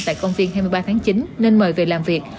tại công viên hai mươi ba tháng chín nên mời về làm việc